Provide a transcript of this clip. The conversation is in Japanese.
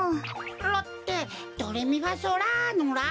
「ラ」ってドレミファソラのラ？